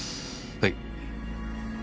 はい。